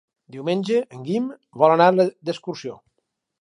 Diumenge en Guim vol anar d'excursió.